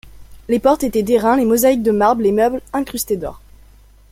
Les portes étaient d'airain, les mosaïques de marbre, les meubles incrustés d'or.